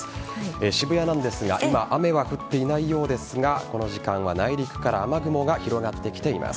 渋谷なんですが今、雨は降っていないようですがこの時間は内陸から雨雲が広がってきています。